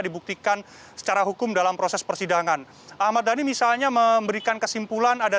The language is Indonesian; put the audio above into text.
dibuktikan secara hukum dalam proses persidangan ahmad dhani misalnya memberikan kesimpulan ada